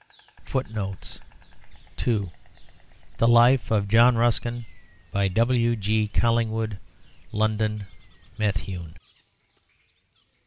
FOOTNOTES: "The Life of John Ruskin." By W.G. Collingwood. London: Methuen.